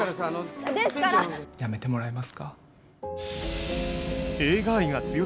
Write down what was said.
辞めてもらえますか。